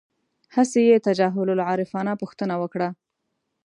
هسې یې تجاهل العارفانه پوښتنه وکړه.